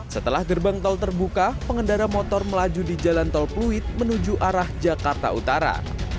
setelah gerbang tol terbuka pengendara motor melaju di jalan tol pluit menuju arah jakarta utara